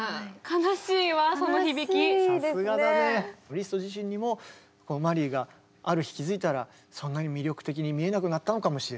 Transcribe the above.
リスト自身にもマリーがある日気付いたらそんなに魅力的に見えなくなったのかもしれないし。